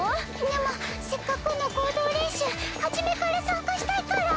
でもせっかくの合同練習初めから参加したいから。